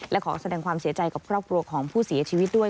และขอแสดงความเสียใจกับครอบครัวของผู้เสียชีวิตด้วย